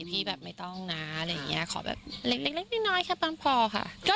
พี่แบบไม่ต้องนะขอแบบเล็กน้อยแค่ปางพอค่ะ